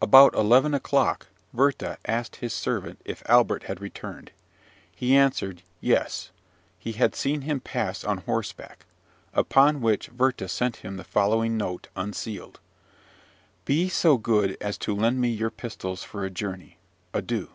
About eleven o'clock Werther asked his servant if Albert had returned. He answered, "Yes;" for he had seen him pass on horseback: upon which Werther sent him the following note, unsealed: "Be so good as to lend me your pistols for a journey. Adieu."